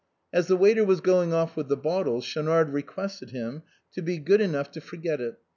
As the waiter was going off with the bottle Schaunard requested him to be good enough to forget it.